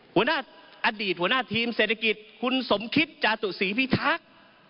หัวหน้าอดีตหัวหน้าทีมเศรษฐกิจคุณสมคิตจาตุศรีพิทักษ์